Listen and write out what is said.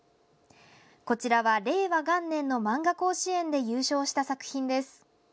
こちらは令和元年のまんが甲子園で優勝した作品です。